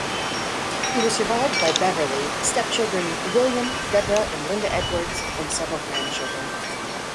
He was survived by Beverly, stepchildren William, Deborah and Linda Edwards, and several grandchildren.